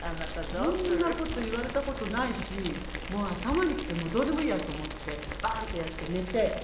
そんな事言われた事ないしもう頭にきてどうでもいいやと思ってバンッてやって寝て。